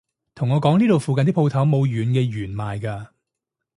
同我講呢度附近啲舖頭冇軟啲嘅弦賣㗎